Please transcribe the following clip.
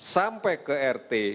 sampai ke rt